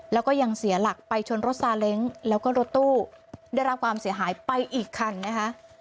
แล้วก็ยังเสียหลักไปชนรถซาเล้งแล้วก็รถตู้ได้รับความเสียหายไปอีกคันนะคะ